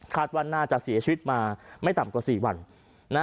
ว่าน่าจะเสียชีวิตมาไม่ต่ำกว่า๔วัน